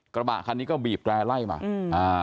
กระบะคันนี้ก็บีบได้ไล่มา